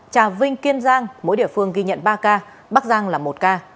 trà vinh kiên giang mỗi địa phương ghi nhận ba ca bắc giang là một ca